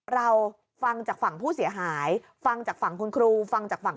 เราฟังจากฝั่งผู้เสียหายฟังจากฝั่งคุณครูฟังจากฝั่ง